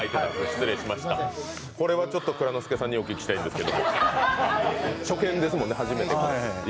これは蔵之介さんにお聞きしたいんですけど、初見ですものね。